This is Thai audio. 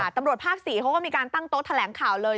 ตำรวจภาค๔เขาก็มีการตั้งโต๊ะแถลงข่าวเลย